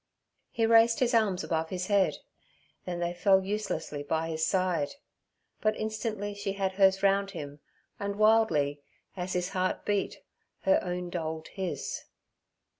He raised his arms above his head, then they fell uselessly by his side; but instantly she had hers round him, and wildly as his heart beat her own dulled his.